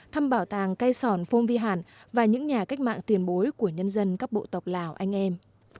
thăm bảo tàng cây sòn phong vi hàn và những nhà cách mạng tiền bối của nhân dân các bộ tộc lào anh em